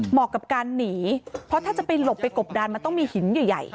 กับการหนีเพราะถ้าจะไปหลบไปกบดันมันต้องมีหินใหญ่